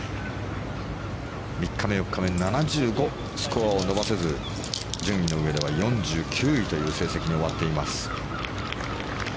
３日目、４日目７５、スコアを伸ばせず順位のうえでは４９位という成績に終わっています。